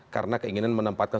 karena keinginan menempatkan